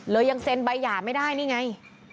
ยังเซ็นใบหย่าไม่ได้นี่ไง